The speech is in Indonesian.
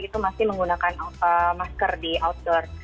itu masih menggunakan masker di outdoor